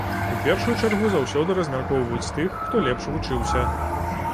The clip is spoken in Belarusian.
У першую чаргу заўсёды размяркоўваюць тых, хто лепш вучыўся.